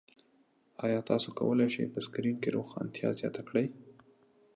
ایا تاسو کولی شئ په سکرین کې روښانتیا زیاته کړئ؟